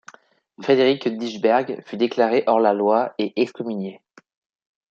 Frédéric d’Isenberg fut déclaré hors-la-loi et excommunié.